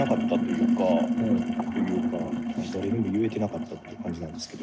うん。というか誰にも言えてなかったっていう感じなんですけど。